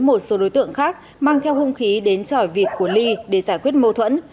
một số đối tượng khác mang theo hung khí đến tròi vịt của ly để giải quyết mâu thuẫn